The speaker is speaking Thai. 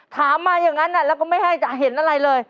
ถามมาอย่างนั้นแล้วก็ไม่ให้จะเห็นอะไรเลย